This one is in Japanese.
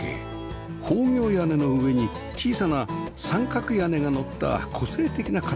方形屋根の上に小さな三角屋根がのった個性的な形